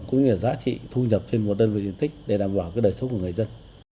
cũng như là giá trị thu nhập trên một đơn vị diện tích để đảm bảo đời sống của người dân